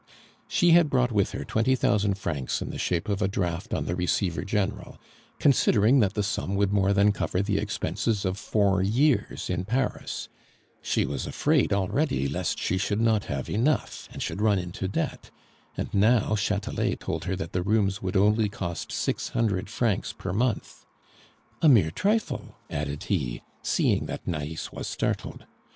She had brought with her twenty thousand francs in the shape of a draft on the Receiver General, considering that the sum would more than cover the expenses of four years in Paris; she was afraid already lest she should not have enough, and should run into debt; and now Chatelet told her that her rooms would only cost six hundred francs per month. "A mere trifle," added he, seeing that Nais was startled.